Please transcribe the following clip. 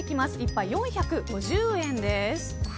１杯４５０円です。